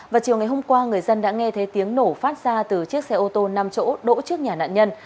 và chiều ngày hôm qua người dân đã nghe thấy tiếng nổ phát ra từ chiếc xe ô tô năm chỗ đỗ trước nhà nạn nhân